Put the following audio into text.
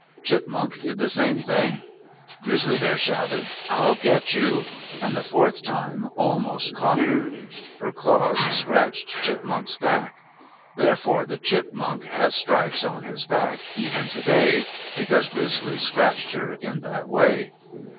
Chipmunk did the same thing. Grizzly Bear shouted, "I'll get you!" and the fourth time almost caught her. Her claws scratched Chipmunk's back. Therefore the chipmunk has stripes on his back even today, because Grizzly scratched her in that way.